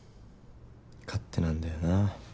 勝手なんだよなぁ。